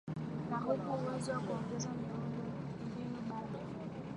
na huku uwezo wa kuongeza muindo mbinu bado